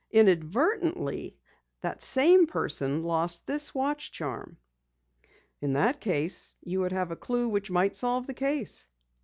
Inadvertently, that same person lost this watch charm." "In that case, you would have a clue which might solve the case."